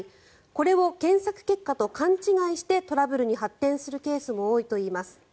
これを検索結果と勘違いしてトラブルに発展するケースも多いといいます。